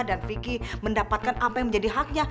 dia dan vicky mendapatkan apa yang menjadi haknya